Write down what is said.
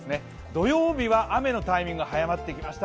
土曜日は雨のタイミング、早まってきました